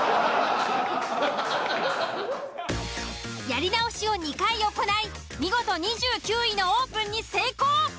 やり直しを２回行い見事２９位のオープンに成功。